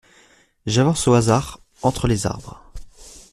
J’avance au hasard entre les arbres.